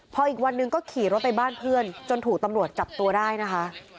พออีกวันหนึ่งก็ขี่รถไปบ้านเพื่อนจนถูกตำรวจจับตัวได้นะคะ